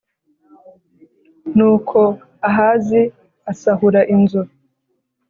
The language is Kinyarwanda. Nuko Ahazi asahura inzu